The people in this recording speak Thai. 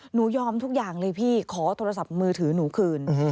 หนูยอมทุกอย่างเลยพี่ขอโทรศัพท์มือถือหนูคืน